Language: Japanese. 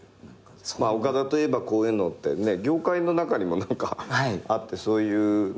岡田といえばこういうのって業界の中にも何かあってそういうね